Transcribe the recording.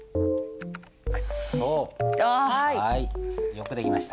はいよくできました。